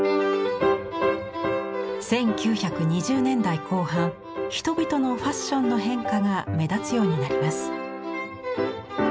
１９２０年代後半人々のファッションの変化が目立つようになります。